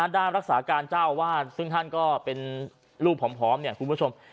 ด้านรักษาการเจ้าอาวาสซึ่งท่านก็เป็นรูปผอมเนี่ยคุณผู้ชม